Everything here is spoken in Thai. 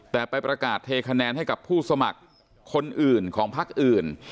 แต่ไปประกาศเทคะแนนให้กับผู้สมัครคนอื่นของพักอื่น